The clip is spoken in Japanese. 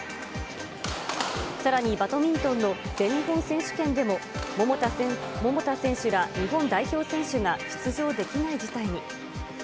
さらにバドミントンの全日本選手権でも、桃田選手ら日本代表選手が出場できない事態に。